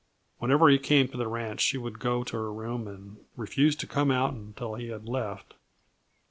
Whenever he came to the ranch she would go to her room and refuse to come out until he had left.